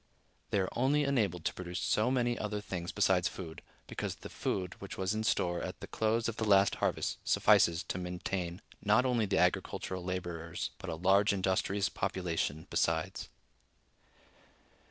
They are only enabled to produce so many other things besides food, because the food which was in store at the close of the last harvest suffices to maintain not only the agricultural laborers, but a large industrious population besides.